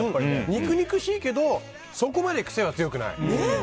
肉々しいけどそこまで癖は強くない。